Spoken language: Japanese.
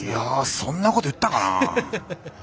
そんなこと言ったかな？